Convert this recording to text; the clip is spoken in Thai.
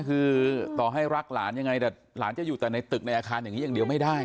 คือต่อให้รักหลานยังไงแต่หลานจะอยู่แต่ในตึกในอาคารอย่างนี้อย่างเดียวไม่ได้